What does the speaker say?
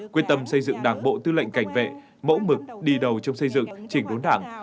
quyết tâm xây dựng đảng bộ tư lệnh cảnh vệ mẫu mực đi đầu trong xây dựng chỉnh đốn đảng